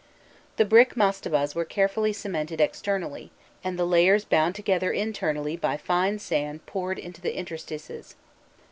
_ The brick mastabas were carefully cemented externally, and the layers bound together internally by fine sand poured into the interstices.